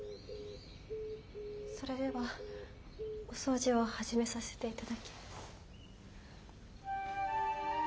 それではお掃除を始めさせて頂きます。